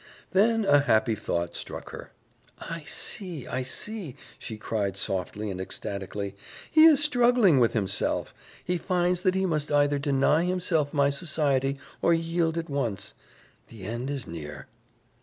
Then a happy thought struck her. "I see, I see," she cried softly and ecstatically: "He is struggling with himself; he finds that he must either deny himself my society or yield at once. The end is near."